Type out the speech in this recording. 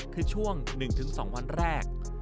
คือช่วง๑๒วันแรก